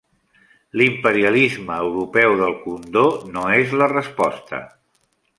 L'imperialisme europeu del condó no és la resposta.